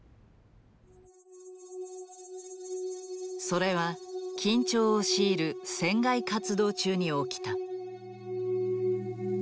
それは緊張を強いる船外活動中に起きた。